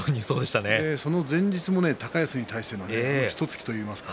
その前日も高安に対して一突きといいますか。